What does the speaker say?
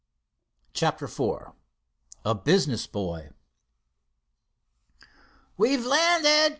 CHAPTER IV A BUSINESS BOY "We've landed!"